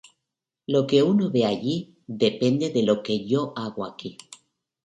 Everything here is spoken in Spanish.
Lo que uno ve allí depende de lo que yo hago aquí.